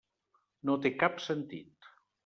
No té cap sentit.